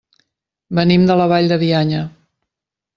Venim de la Vall de Bianya.